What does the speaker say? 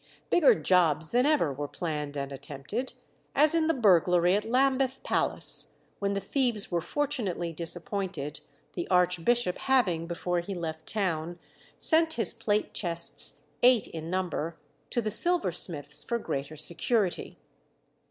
Bigger "jobs" than ever were planned and attempted, as in the burglary at Lambeth Palace, when the thieves were fortunately disappointed, the archbishop having, before he left town, sent his plate chests, eight in number, to the silversmith's for greater security.